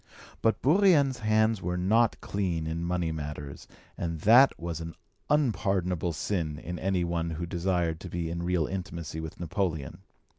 But Bourrienne's hands were not clean in money matters, and that was an unpardonable sin in any one who desired to be in real intimacy with Napoleon.